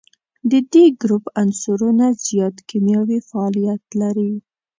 د دې ګروپ عنصرونه زیات کیمیاوي فعالیت لري.